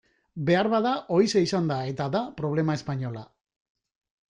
Beharbada horixe izan da eta da problema espainola.